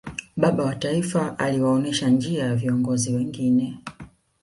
baba wa taifa aliwaonesha njia viongozi wengine